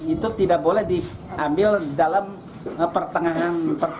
itu tidak boleh diambil dalam pertengahan perjalanan sebelum